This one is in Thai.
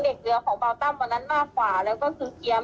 ของพี่ตุ้มก็ได้ค่ะอืมแต่เรามีเรามีความหวังว่ามันจะเกี่ยวข้อง